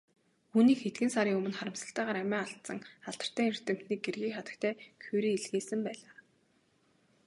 Үүнийг хэдхэн сарын өмнө харамсалтайгаар амиа алдсан алдартай эрдэмтний гэргий хатагтай Кюре илгээсэн байлаа.